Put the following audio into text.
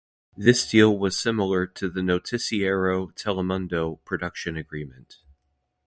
This deal was similar to the "Noticiero Telemundo" production agreement.